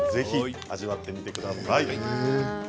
味わってみてください。